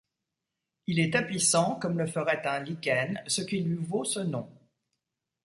Il est tapissant comme le ferait un lichen, ce qui lui vaut ce nom.